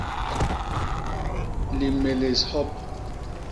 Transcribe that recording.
Limélés hop.